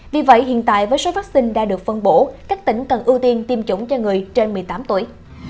vì vậy hiện tại với số vaccine đã được phân bổ các tỉnh cần ưu tiên tiêm chủng cho người trên một mươi tám tuổi